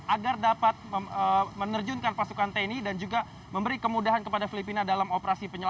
agar dapat menerjunkan pasukan tni dan juga memberi kemudahan kepada filipina dalam operasi penyelamatan